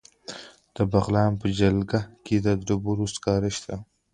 د بغلان په جلګه کې د ډبرو سکاره شته.